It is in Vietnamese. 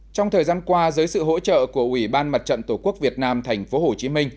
trong thời gian qua dưới sự hỗ trợ của ủy ban mặt trận tổ quốc việt nam tp hcm